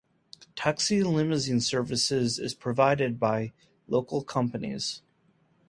Taxi and limousine service is provided by local companies.